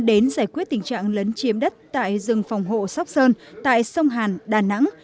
đến giải quyết tình trạng lấn chiếm đất tại rừng phòng hộ sóc sơn tại sông hàn đà nẵng